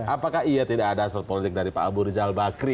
apakah iya tidak ada hasrat politik dari pak abu rizal bakri